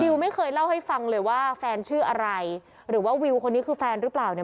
ไม่เคยเล่าให้ฟังเลยว่าแฟนชื่ออะไรหรือว่าวิวคนนี้คือแฟนหรือเปล่าเนี่ย